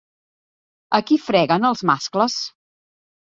A qui freguen els mascles?